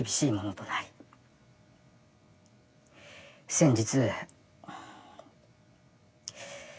先日。